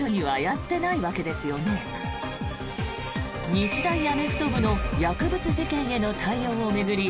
日大アメフト部の薬物事件への対応を巡り